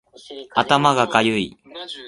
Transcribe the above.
頭がかゆい